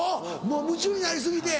もう夢中になり過ぎて。